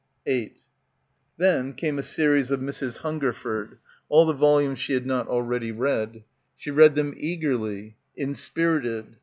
8 Then came a series of Mrs. Hungerford — all the volumes she had not already read. She read them eagerly, inspirited.